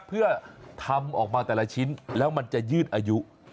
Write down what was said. เพื่อทำออกมาแต่ละชิ้นแล้วมันจะยืดอายุ